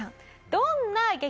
どんな激